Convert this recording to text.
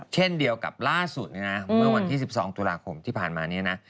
เช่นเดียวกับล่าสุดเนี่ยนะเมื่อวันที่๑๒ตุลาคมที่ผ่านมาเนี่ยนะ